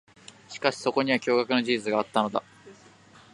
しかし、そこには驚愕の真実があったのだ。